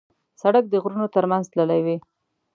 سړک د غرونو تر منځ تللی وي.